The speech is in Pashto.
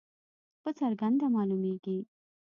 په څرګنده معلومیږي.